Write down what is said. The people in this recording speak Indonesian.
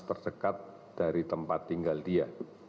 terdekat dari tempat tinggal dia